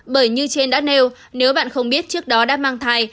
bởi như trên đã nêu nếu bạn không biết trước đó đã mang thai